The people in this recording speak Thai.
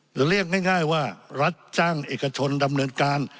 เรียกง่ายว่ารัฐจ้างเอกชนดำเนินการ